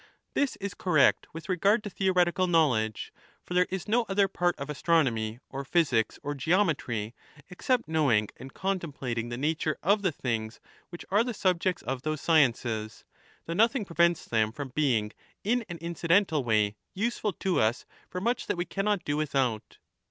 This is correct with regard to theoretical know ledge, for there is no other part of astronomy or physics or geometry except knowing and contemplating the nature of the things which are the subjects of those sciences ; though nothing prevents them from being in an incidental way use 15 ful to us for much that we cannot do without.